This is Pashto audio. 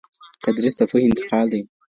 تدريس د پوهي انتقال دی.